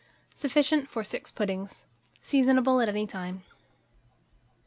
Sufficient for 6 puddings. Seasonable at any time.